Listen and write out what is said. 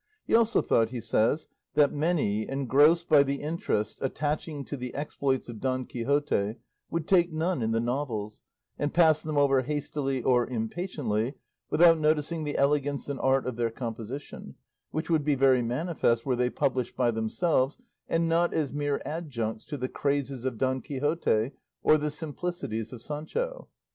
He also thought, he says, that many, engrossed by the interest attaching to the exploits of Don Quixote, would take none in the novels, and pass them over hastily or impatiently without noticing the elegance and art of their composition, which would be very manifest were they published by themselves and not as mere adjuncts to the crazes of Don Quixote or the simplicities of Sancho.